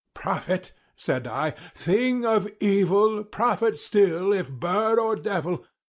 "Prophet!" said I, "thing of evil!—prophet still, if bird or devil!